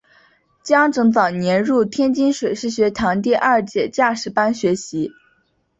蒋拯早年入天津水师学堂第二届驾驶班学习。